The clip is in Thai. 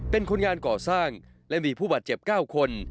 เป็นคนงานก่อสร้างและมีผู้บาดเจ็บ๙คน